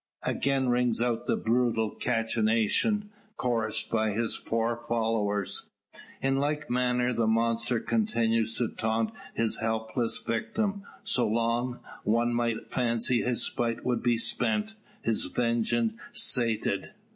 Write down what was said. Again rings out the brutal cachinnation, chorused by his four followers. In like manner the monster continues to taunt his helpless victim; so long, one might fancy his spite would be spent, his vengeance sated.